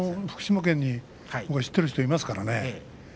福島県に僕、知っている人がいますからね。